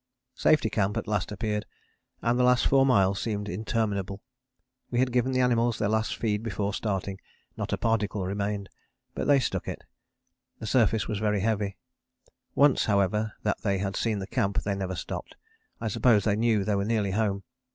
Safety Camp at last appeared, and the last four miles seemed interminable. We had given the animals their last feed before starting, not a particle remained, but they stuck it. The surface was very heavy. Once, however, that they had seen the camp they never stopped. I suppose they knew they were nearly home.